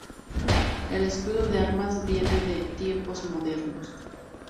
El escudo de armas viene de tiempos modernos.